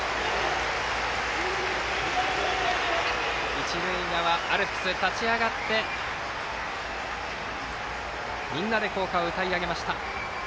一塁側アルプス立ち上がってみんなで校歌を歌い上げました。